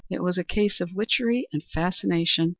"It was a case of witchery and fascination.